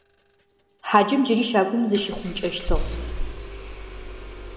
Хьаджэм джыри щагум зыщихъункӀэщтыгъ.